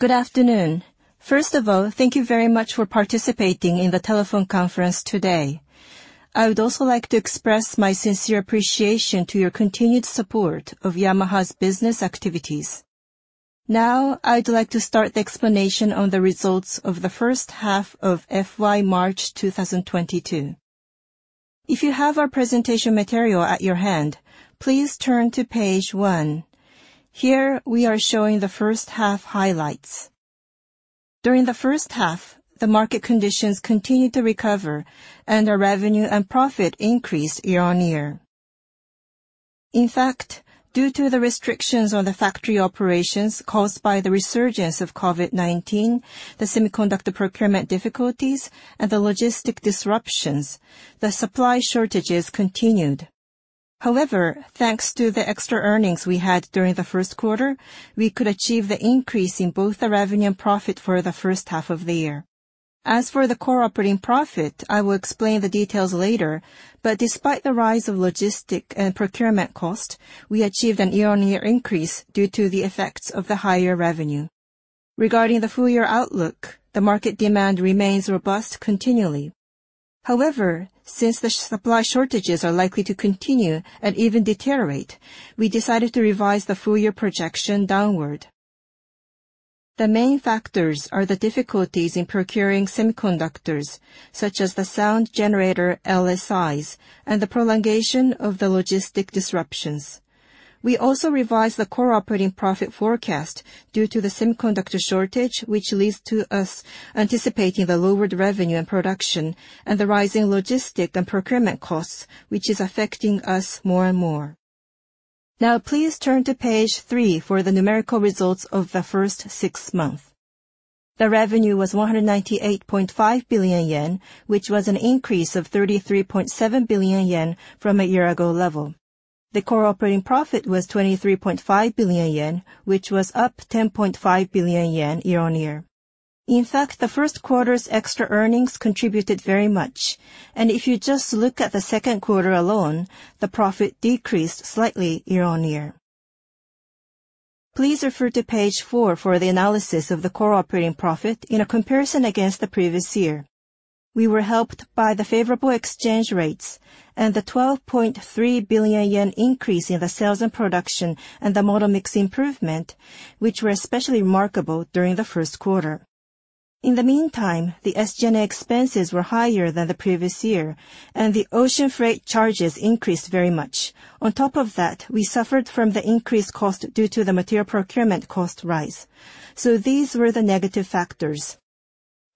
Good afternoon. First of all, thank you very much for participating in the telephone conference today. I would also like to express my sincere appreciation to your continued support of Yamaha's business activities. Now, I'd like to start the explanation on the results of the first half of FY March 2022. If you have our presentation material at your hand, please turn to page 1. Here, we are showing the first half highlights. During the first half, the market conditions continued to recover and our revenue and profit increased -on-. In fact, due to the restrictions on the factory operations caused by the resurgence of COVID-19, the semiconductor procurement difficulties, and the logistic disruptions, the supply shortages continued. However, thanks to the extra earnings we had during the Q1, we could achieve the increase in both the revenue and profit for the first half of the year. As for the core operating profit, I will explain the details later, but despite the rise in logistics and procurement costs, we achieved a year-on-year increase due to the effects of the higher revenue. Regarding the full-year outlook, the market demand remains robust continually. However, since the supply shortages are likely to continue and even deteriorate, we decided to revise the full-year projection downward. The main factors are the difficulties in procuring semiconductors, such as the sound generator LSIs, and the prolongation of the logistics disruptions. We also revised the core operating profit forecast due to the semiconductor shortage, which leads to us anticipating the lowered revenue and production and the rise in logistics and procurement costs, which is affecting us more and more. Now please turn to page 3 for the numerical results of the first 6 months. The revenue was 198.5 billion yen, which was an increase of 33.7 billion yen from a year ago level. The core operating profit was 23.5 billion yen, which was up 10.5 billion yen year-on-year. In fact, the Q1 extra earnings contributed very much, and if you just look at the Q2 alone, the profit decreased slightly year-on-year. Please refer to page four for the analysis of the core operating profit in a comparison against the previous year. We were helped by the favorable exchange rates and the 12.3 billion yen increase in the sales and production and the model mix improvement, which were especially remarkable during the Q1. In the meantime, the SG&A expenses were higher than the previous year, and the ocean freight charges increased very much. On top of that, we suffered from the increased cost due to the material procurement cost rise. These were the negative factors.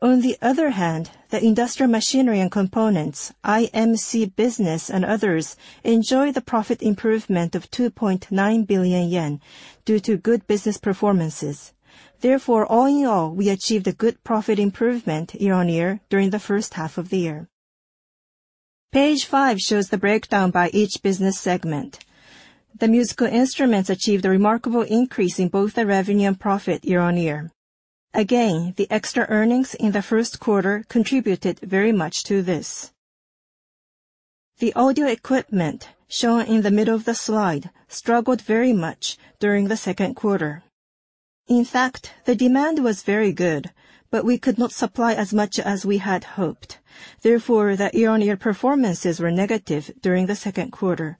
On the other hand, the industrial machinery and components, IMC business and others enjoy the profit improvement of 2.9 billion yen due to good business performances. Therefore, all in all, we achieved a good profit improvement year-on-year during the first half of the year. Page 5 shows the breakdown by each business segment. The musical instruments achieved a remarkable increase in both the revenue and profit year-on-year. Again, the extra earnings in the Q1 contributed very much to this. The audio equipment shown in the middle of the slide struggled very much during the Q2. In fact, the demand was very good, but we could not supply as much as we had hoped. Therefore, the year-on-year performances were negative during the Q2.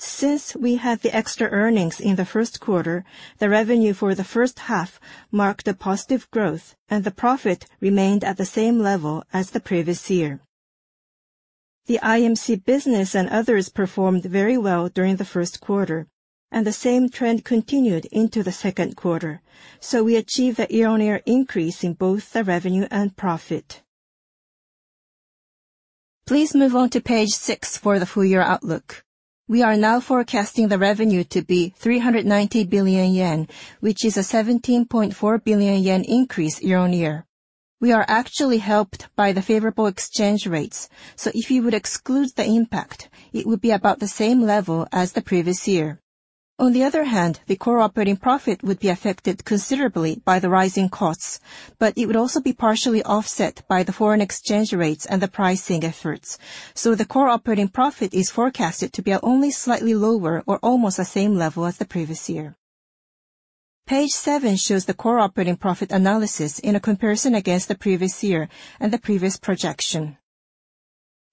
Since we had the extra earnings in the Q1, the revenue for the first half marked a positive growth, and the profit remained at the same level as the previous year. The IMC business and others performed very well during the Q1, and the same trend continued into the Q2 so we achieved a year-on-year increase in both the revenue and profit. Please move on to page 6 for the full year outlook. We are now forecasting the revenue to be 390 billion yen, which is a 17.4 billion yen increase year-on-year. We are actually helped by the favorable exchange rates, so if you would exclude the impact, it would be about the same level as the previous year. On the other hand, the core operating profit would be affected considerably by the rising costs, but it would also be partially offset by the foreign exchange rates and the pricing efforts. The core operating profit is forecasted to be only slightly lower or almost the same level as the previous year. Page 7 shows the core operating profit analysis in a comparison against the previous year and the previous projection.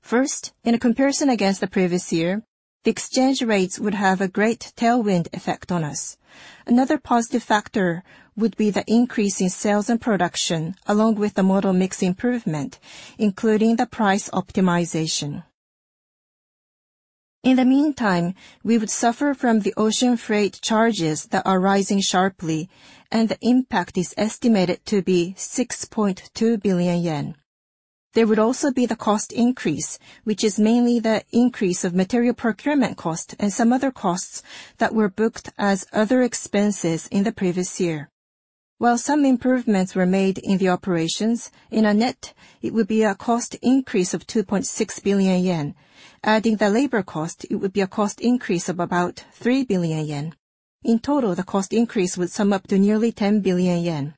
First, in a comparison against the previous year, the exchange rates would have a great tailwind effect on us. Another positive factor would be the increase in sales and production, along with the model mix improvement, including the price optimization. In the meantime, we would suffer from the ocean freight charges that are rising sharply, and the impact is estimated to be 6.2 billion yen. There would also be the cost increase, which is mainly the increase of material procurement cost and some other costs that were booked as other expenses in the previous year. While some improvements were made in the operations, in a net, it would be a cost increase of 2.6 billion yen. Adding the labor cost, it would be a cost increase of about 3 billion yen. In total, the cost increase would sum up to nearly 10 billion yen.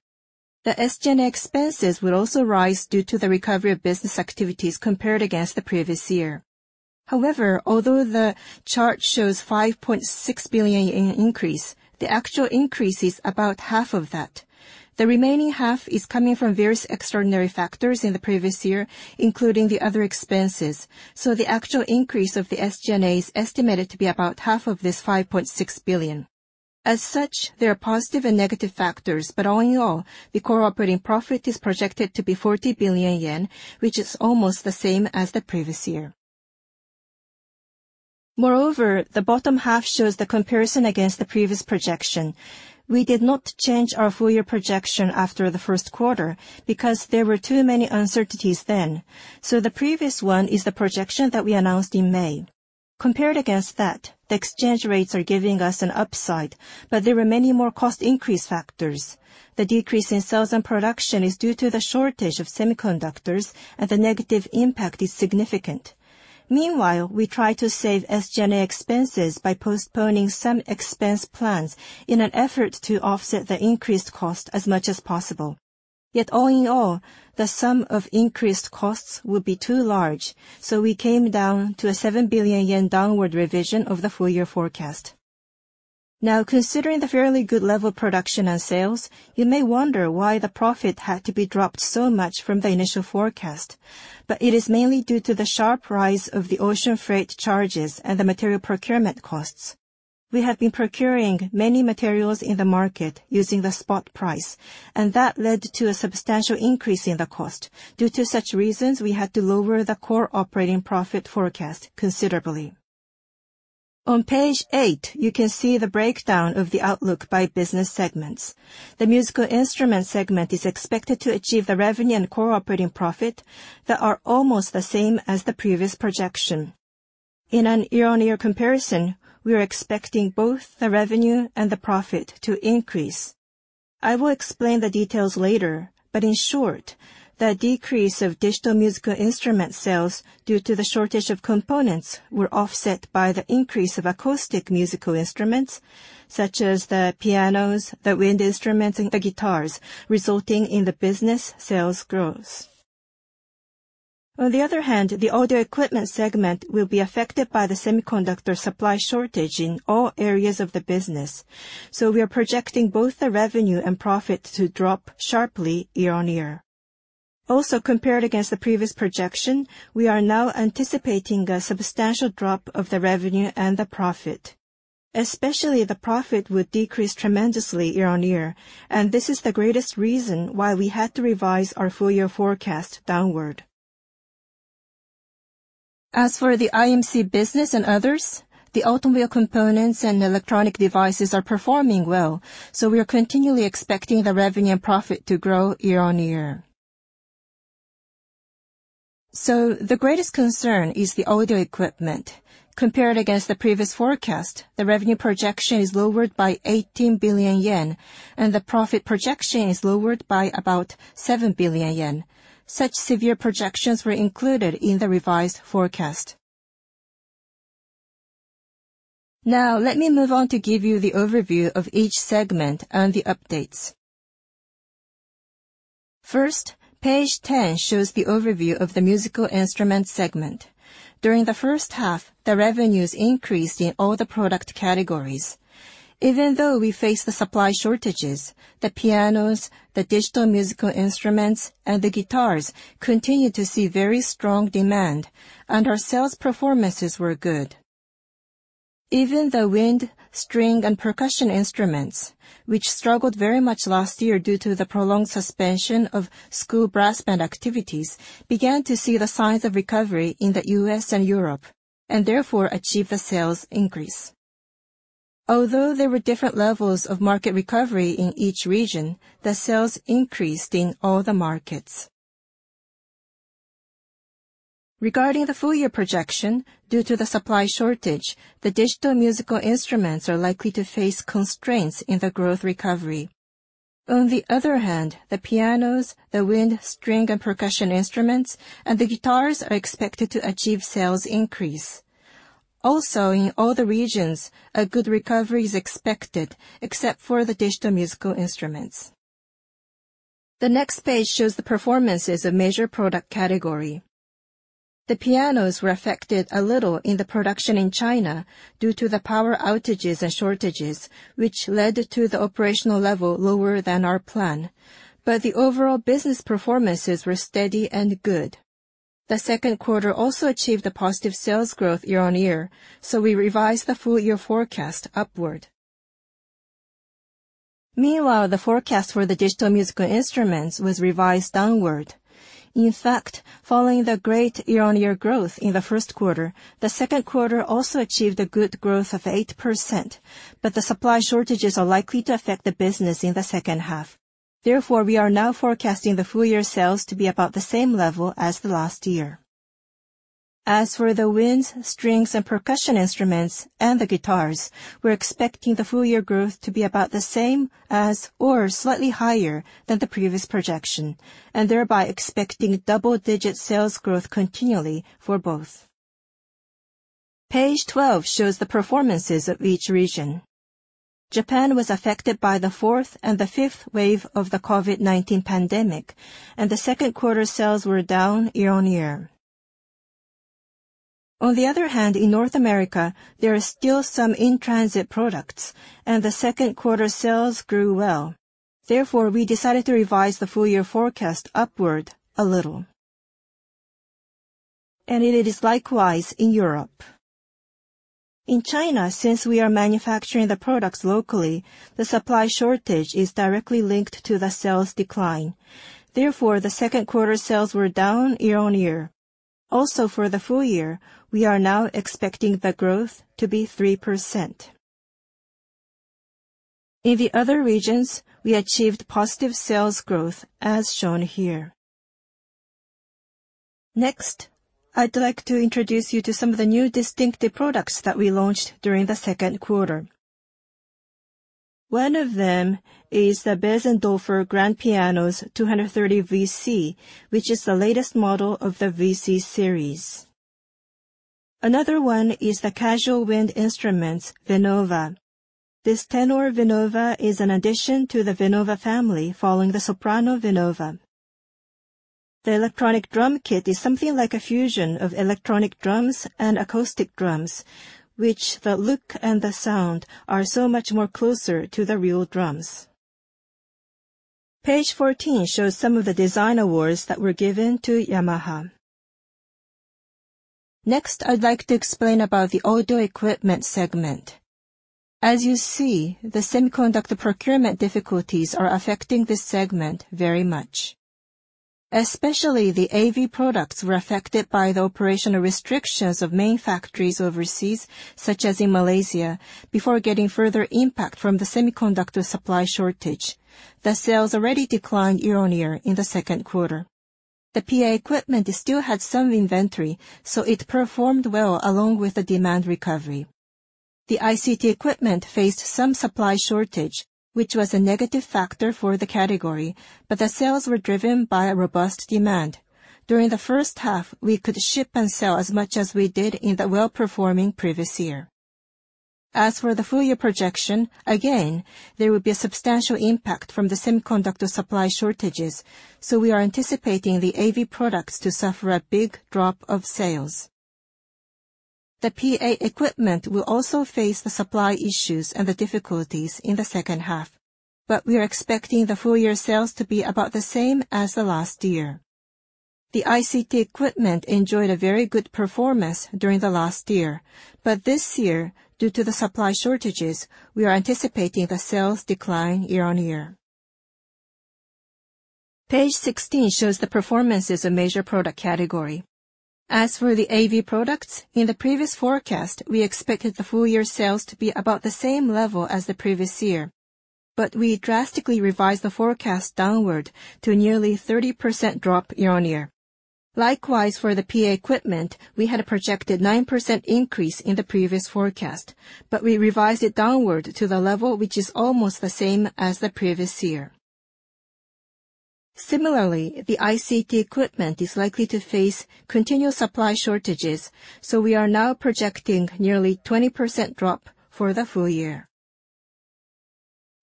The SG&A expenses will also rise due to the recovery of business activities compared against the previous year. However, although the chart shows 5.6 billion in increase, the actual increase is about half of that. The remaining half is coming from various extraordinary factors in the previous year, including the other expenses. The actual increase of the SG&A is estimated to be about half of this 5.6 billion. As such, there are positive and negative factors, but all in all, the core operating profit is projected to be 40 billion yen, which is almost the same as the previous year. Moreover, the bottom half shows the comparison against the previous projection. We did not change our full year projection after the Q1 because there were too many uncertainties then. The previous one is the projection that we announced in May. Compared against that, the exchange rates are giving us an upside, but there are many more cost increase factors. The decrease in sales and production is due to the shortage of semiconductors, and the negative impact is significant. Meanwhile, we try to save SG&A expenses by postponing some expense plans in an effort to offset the increased cost as much as possible. Yet all in all, the sum of increased costs will be too large, so we came down to a 7 billion yen downward revision of the full year forecast. Now, considering the fairly good level of production and sales, you may wonder why the profit had to be dropped so much from the initial forecast. It is mainly due to the sharp rise of the ocean freight charges and the material procurement costs. We have been procuring many materials in the market using the spot price, and that led to a substantial increase in the cost. Due to such reasons, we had to lower the core operating profit forecast considerably. On page 8, you can see the breakdown of the outlook by business segments. The Musical Instruments segment is expected to achieve the revenue and core operating profit that are almost the same as the previous projection. In a year-over-year comparison, we are expecting both the revenue and the profit to increase. I will explain the details later, but in short, the decrease of digital musical instruments sales due to the shortage of components were offset by the increase of acoustic musical instruments such as the pianos, the wind instruments, and the guitars, resulting in the business sales growth. On the other hand, the Audio Equipment segment will be affected by the semiconductor supply shortage in all areas of the business. We are projecting both the revenue and profit to drop sharply year-over-year. Also, compared against the previous projection, we are now anticipating a substantial drop of the revenue and the profit. Especially the profit would decrease tremendously year-over-year, and this is the greatest reason why we had to revise our full-year forecast downward. As for the IMC business and others, the automobile components and electronic devices are performing well, so we are continually expecting the revenue and profit to grow year-over-year. The greatest concern is the audio equipment. Compared against the previous forecast, the revenue projection is lowered by 18 billion yen and the profit projection is lowered by about 7 billion yen. Such severe projections were included in the revised forecast. Now let me move on to give you the overview of each segment and the updates. First, page 10 shows the overview of the musical instrument segment. During the first half, the revenues increased in all the product categories. Even though we faced the supply shortages, the pianos, the digital musical instruments, and the guitars continued to see very strong demand, and our sales performances were good. Even the wind, string, and percussion instruments, which struggled very much last year due to the prolonged suspension of school brass band activities, began to see the signs of recovery in the U.S. and Europe, and therefore achieved a sales increase. Although there were different levels of market recovery in each region, the sales increased in all the markets. Regarding the full year projection due to the supply shortage, the digital musical instruments are likely to face constraints in the growth recovery. On the other hand, the pianos, the wind, string, and percussion instruments, and the guitars are expected to achieve sales increase. Also, in all the regions, a good recovery is expected except for the digital musical instruments. The next page shows the performances of major product category. The pianos were affected a little in the production in China due to the power outages and shortages, which led to the operational level lower than our plan. The overall business performances were steady and good. The Q2 also achieved a positive sales growth year-on-year, so we revised the full year forecast upward. Meanwhile, the forecast for the digital musical instruments was revised downward. In fact, following the great year-on-year growth in the Q1, the Q2 also achieved a good growth of 8%, but the supply shortages are likely to affect the business in the second half. Therefore, we are now forecasting the full year sales to be about the same level as the last year. As for the winds, strings, and percussion instruments and the guitars, we're expecting the full year growth to be about the same as or slightly higher than the previous projection, and thereby expecting double-digit sales growth continually for both. Page 12 shows the performances of each region. Japan was affected by the fourth and the fifth wave of the COVID-19 pandemic, and the Q2 sales were down year-on-year. On the other hand, in North America, there are still some in-transit products, and the Q2 sales grew well. Therefore, we decided to revise the full year forecast upward a little. It is likewise in Europe. In China, since we are manufacturing the products locally, the supply shortage is directly linked to the sales decline. Therefore, the Q2 sales were down year-on-year. Also, for the full year, we are now expecting the growth to be 3%. In the other regions, we achieved positive sales growth as shown here. Next, I'd like to introduce you to some of the new distinctive products that we launched during the Q2. One of them is the Bösendorfer grand piano 230VC, which is the latest model of the VC series. Another one is the casual wind instrument, Venova. This tenor Venova is an addition to the Venova family following the soprano Venova. The electronic drum kit is something like a fusion of electronic drums and acoustic drums, where the look and the sound are so much closer to the real drums. Page 14 shows some of the design awards that were given to Yamaha. Next, I'd like to explain about the audio equipment segment. As you see, the semiconductor procurement difficulties are affecting this segment very much. Especially the AV products were affected by the operational restrictions of main factories overseas, such as in Malaysia, before getting further impact from the semiconductor supply shortage. The sales already declined year-on-year in the Q2. The PA equipment still had some inventory, so it performed well along with the demand recovery. The ICT equipment faced some supply shortage, which was a negative factor for the category, but the sales were driven by a robust demand. During the first half, we could ship and sell as much as we did in the well-performing previous year. As for the full year projection, again, there will be a substantial impact from the semiconductor supply shortages, so we are anticipating the AV products to suffer a big drop of sales. The PA equipment will also face the supply issues and the difficulties in the second half, but we are expecting the full year sales to be about the same as the last year. The ICT equipment enjoyed a very good performance during the last year, but this year, due to the supply shortages, we are anticipating the sales decline year-on-year. Page 16 shows the performances of major product category. As for the AV products, in the previous forecast, we expected the full year sales to be about the same level as the previous year, but we drastically revised the forecast downward to a nearly 30% drop year-on-year. Likewise, for the PA equipment, we had projected 9% increase in the previous forecast, but we revised it downward to the level which is almost the same as the previous year. Similarly, the ICT equipment is likely to face continued supply shortages, so we are now projecting nearly 20% drop for the full year.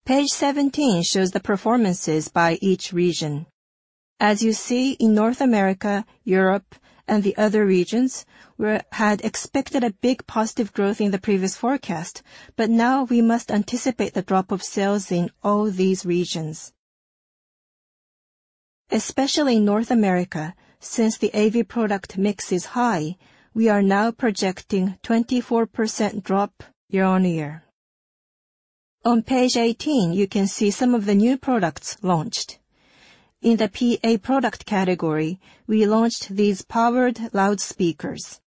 Page 17 shows the performances by each region. As you see, in North America, Europe, and the other regions, we had expected a big positive growth in the previous forecast, but now we must anticipate the drop of sales in all these regions. Especially in North America, since the AV product mix is high, we are now projecting 24% drop year-on-year. On page 18, you can see some of the new products launched. In the PA product category, we launched these powered loudspeakers.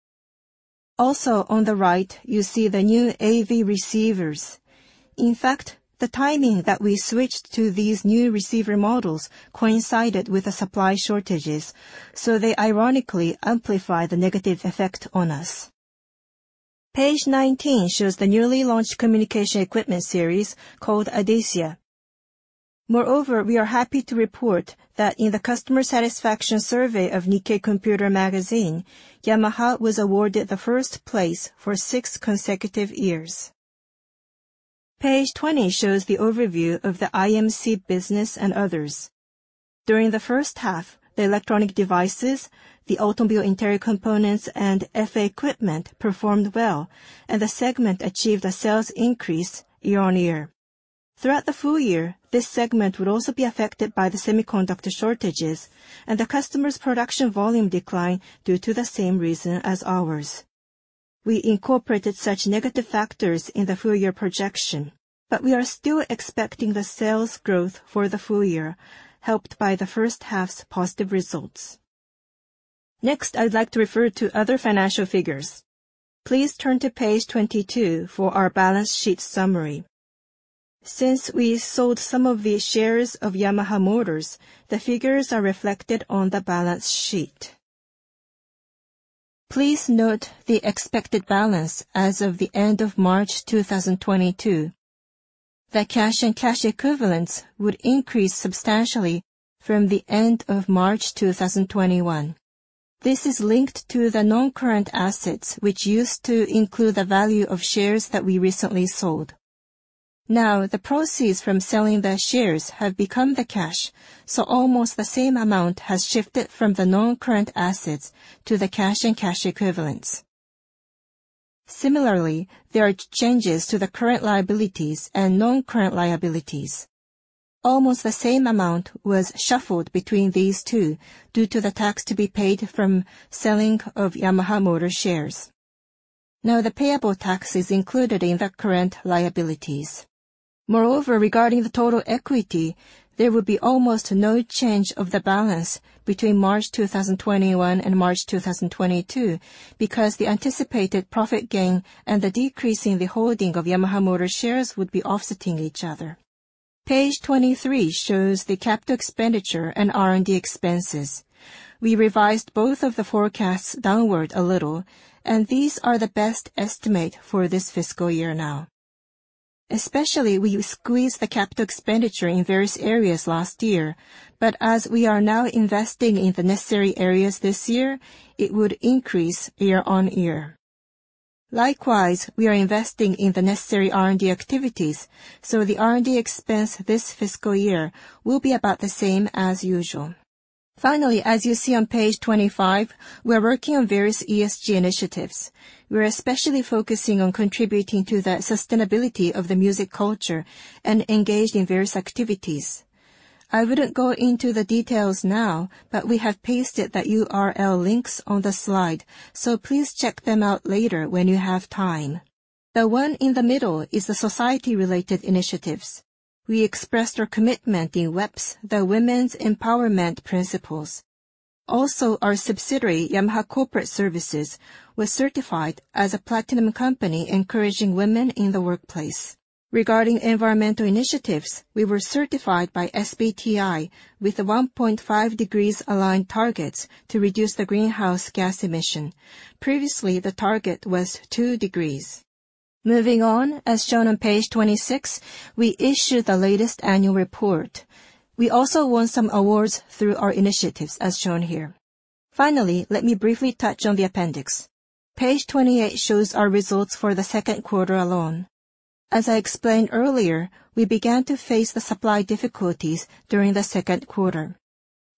Also on the right, you see the new AV receivers. In fact, the timing that we switched to these new receiver models coincided with the supply shortages, so they ironically amplify the negative effect on us. Page 19 shows the newly launched communication equipment series called ADECIA. Moreover, we are happy to report that in the customer satisfaction survey of Nikkei Computer magazine, Yamaha was awarded the first place for six consecutive years. Page 20 shows the overview of the IMC business and others. During the first half, the electronic devices, the automobile interior components, and FA equipment performed well, and the segment achieved a sales increase year-on-year. Throughout the full year, this segment would also be affected by the semiconductor shortages and the customer's production volume decline due to the same reason as ours. We incorporated such negative factors in the full year projection, but we are still expecting the sales growth for the full year, helped by the first half's positive results. Next, I'd like to refer to other financial figures. Please turn to page 22 for our balance sheet summary. Since we sold some of the shares of Yamaha Motor, the figures are reflected on the balance sheet. Please note the expected balance as of the end of March 2022. The cash and cash equivalents would increase substantially from the end of March 2021. This is linked to the non-current assets which used to include the value of shares that we recently sold. Now, the proceeds from selling the shares have become the cash, so almost the same amount has shifted from the non-current assets to the cash and cash equivalents. Similarly, there are changes to the current liabilities and non-current liabilities. Almost the same amount was shuffled between these two due to the tax to be paid from selling of Yamaha Motor shares. Now, the payable tax is included in the current liabilities. Moreover, regarding the total equity, there would be almost no change of the balance between March 2021 and March 2022, because the anticipated profit gain and the decrease in the holding of Yamaha Motor shares would be offsetting each other. Page 23 shows the capital expenditure and R&D expenses. We revised both of the forecasts downward a little, and these are the best estimate for this fiscal year now. Especially, we squeezed the capital expenditure in various areas last year, but as we are now investing in the necessary areas this year, it would increase year-on-year. Likewise, we are investing in the necessary R&D activities, so the R&D expense this fiscal year will be about the same as usual. Finally, as you see on page 25, we are working on various ESG initiatives. We are especially focusing on contributing to the sustainability of the music culture and engaged in various activities. I wouldn't go into the details now, but we have pasted the url links on the slide, so please check them out later when you have time. The one in the middle is the society-related initiatives. We expressed our commitment in WEPS, the Women's Empowerment Principles. Also, our subsidiary, Yamaha Corporate Services, was certified as a Platinum Kurumin encouraging women in the workplace. Regarding environmental initiatives, we were certified by SBTi with 1.5-degree-aligned targets to reduce the greenhouse gas emission. Previously, the target was 2 degrees. Moving on, as shown on page 26, we issued the latest annual report. We also won some awards through our initiatives as shown here. Finally, let me briefly touch on the appendix. Page 28 shows our results for theQ2 alone. As I explained earlier, we began to face the supply difficulties during the Q2,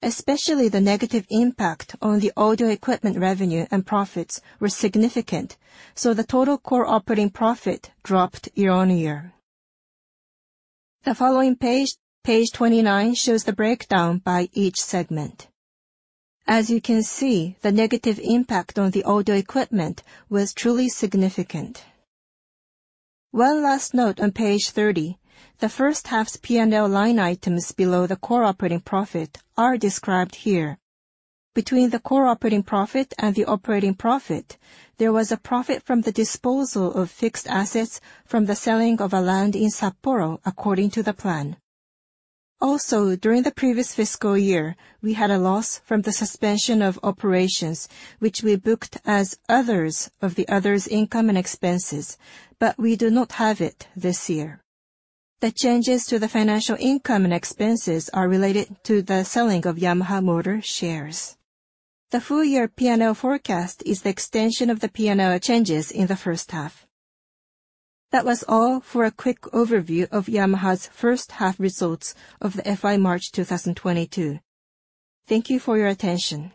especially the negative impact on the Audio Equipment revenue and profits were significant, so the total core operating profit dropped year-on-year. The following page 29 shows the breakdown by each segment. As you can see, the negative impact on the Audio Equipment was truly significant. One last note on page 30, the first half's P&L line items below the core operating profit are described here. Between the core operating profit and the operating profit, there was a profit from the disposal of fixed assets from the sale of a land in Sapporo according to the plan. During the previous fiscal year, we had a loss from the suspension of operations, which we booked as others in the other income and expenses, but we do not have it this year. The changes to the financial income and expenses are related to the selling of Yamaha Motor shares. The full year P&L forecast is the extension of the P&L changes in the first half. That was all for a quick overview of Yamaha's first half results for the FY March 2022. Thank you for your attention.